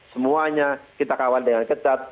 semuanya kita kawal dengan ketat